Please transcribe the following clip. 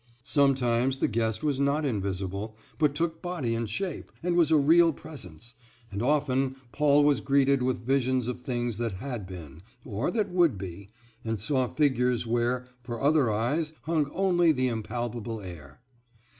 Sometimes the guest was not invisible, but took body and shape, and was a real presence; and often Paul was greeted with visions of things that had been, or that would be, and saw figures where, for other eyes, hung only the impalpable air.